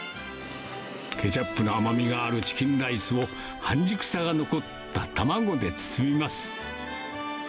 ケチャップの甘みがあるチキンライスを、半熟さが残った卵で包みます。